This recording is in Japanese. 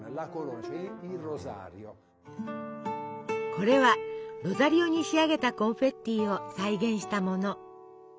これはロザリオに仕上げたコンフェッティを再現したもの。